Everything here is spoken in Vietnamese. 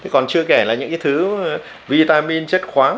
còn chưa kể là những thứ vitamin chất khoáng